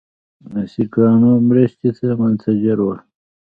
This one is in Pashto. سیکهانو مرستې ته منتظر ول.